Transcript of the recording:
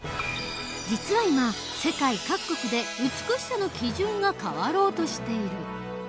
実は今世界各国で美しさの基準が変わろうとしている。